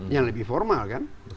yang lebih formal kan